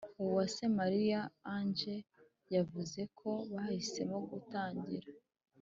Uwase Mariya Ange, yavuze ko bahisemo gutangira